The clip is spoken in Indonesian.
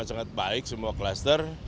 sangat baik semua klaster